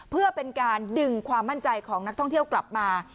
เพื่อเป็นการดึงความมั่นใจของนักท่องเที่ยวกลับมา